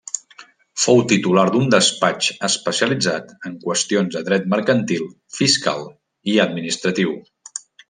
Fou titular d'un despatx especialitzat en qüestions de Dret Mercantil, Fiscal i Administratiu.